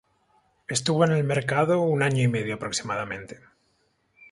Estuvo en el mercado un año y medio aproximadamente.